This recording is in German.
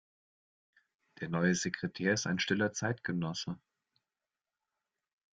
Der neue Sekretär ist ein stiller Zeitgenosse.